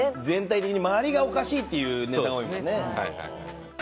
全体的に周りがおかしいっていうネタが多いもんね。